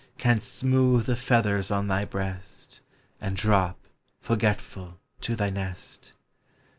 Canst smooth the feathers on thy breast, And drop, forgetful, to thy nest.